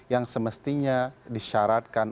yang semestinya disyaratkan